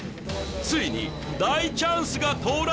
ついに大チャンスが到来！